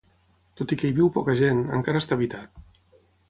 Tot i que hi viu poca gent, encara està habitat.